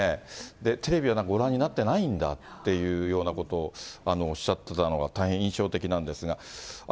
テレビはご覧になってないんだというようなことをおっしゃってたのが大変印象的なんですが。